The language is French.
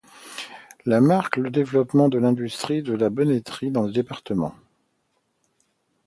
Le marque le développement de l'industrie de la bonneterie dans le département.